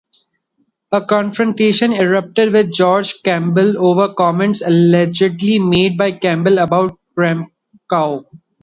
A confrontation erupted with George Campbell over comments allegedly made by Campbell about Krempkau.